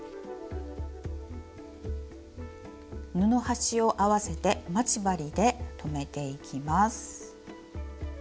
布端を合わせて待ち針で留めていきます。